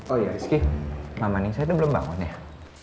oh iya rizky mama nih saya udah belum bangun ya